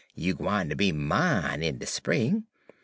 You gwine ter be mine in de spring.